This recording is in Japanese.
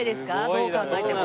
どう考えても。